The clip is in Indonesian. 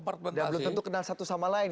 dan belum tentu kenal satu sama lain